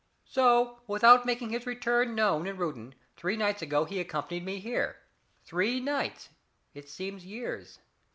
So, without making his return known in Reuton, three nights ago he accompanied me here. Three nights it seems years.